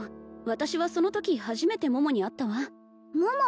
私はそのとき初めて桃に会ったわ桃！